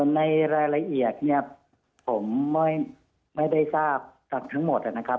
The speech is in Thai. ในรายละเอียดเนี่ยผมไม่ได้ทราบทั้งหมดนะครับ